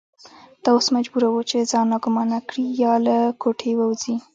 دا اوس مجبوره وه چې ځان ناګومانه کړي یا له کوټې ووځي.